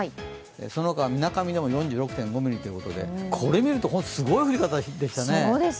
そのほか、みなかみでも４６．５ミリということで、これを見ると、すごい降り方でしたね。